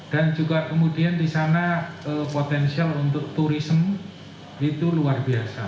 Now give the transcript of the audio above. dan juga kemudian di sana potensial untuk turisme itu luar biasa